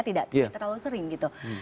tidak terlalu sering gitu